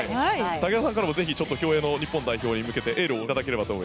武田さんからもぜひ競泳の日本代表に向けてエールを頂けたらと。